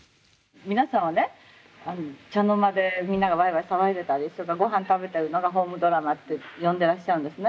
皆さんはね茶の間でみんながわいわい騒いでたりそれからごはん食べてるのがホームドラマって呼んでらっしゃるんですね。